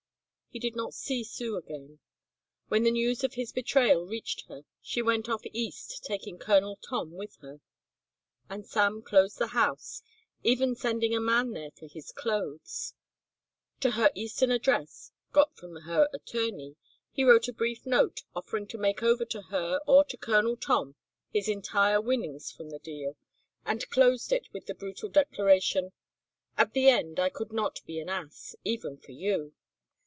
He did not see Sue again. When the news of his betrayal reached her she went off east taking Colonel Tom with her, and Sam closed the house, even sending a man there for his clothes. To her eastern address, got from her attorney, he wrote a brief note offering to make over to her or to Colonel Tom his entire winnings from the deal and closed it with the brutal declaration, "At the end I could not be an ass, even for you."